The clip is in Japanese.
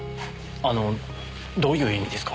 あのどういう意味ですか？